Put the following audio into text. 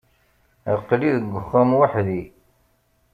Aql-i deg uxxam weḥdi.